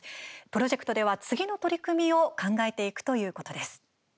プロジェクトでは次の取り組みを考えていくということです。